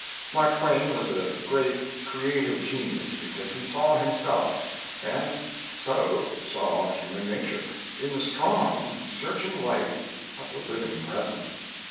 Mark Twain was a great creative genius because he saw himself, and so saw human nature, in the strong, searching light of the living present.